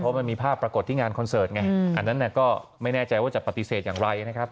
เพราะมันมีภาพปรากฏที่งานคอนเสิร์ตไงอันนั้นก็ไม่แน่ใจว่าจะปฏิเสธอย่างไรนะครับ